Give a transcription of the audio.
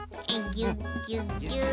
ぎゅっぎゅっぎゅ。